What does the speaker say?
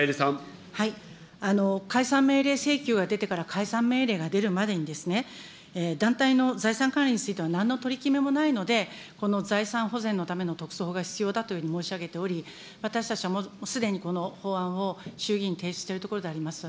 解散命令請求が出てから解散命令が出るまでに、団体の財産管理についてはなんの取り決めもないので、この財産保全のための特措法が必要だというふうに申し上げており、私たちはすでにこの法案を衆議員に提出しているところであります。